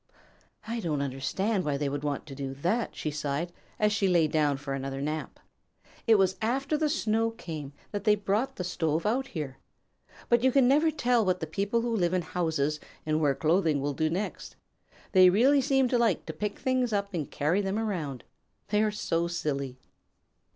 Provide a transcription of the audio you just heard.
"I don't understand why they want to do that," she sighed, as she lay down for another nap. "It was after the snow came that they brought the stove out here. But you can never tell what the people who live in houses and wear clothing will do next! They really seem to like to pick things up and carry them around. They are so silly."